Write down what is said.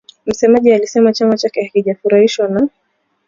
msemaji alisema chama chake hakijafurahishwa na